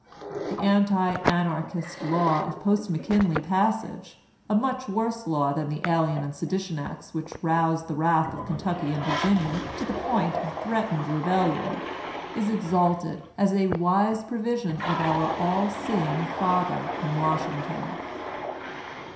The anti Anarchist law of post McKinley passage, a much worse law than the Alien and Sedition acts which roused the wrath of Kentucky and Virginia to the point of threat ened rebellion, is exalted as a wise provision of our All Seeing Father in Washington.